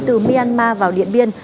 từ myanmar vào điện biên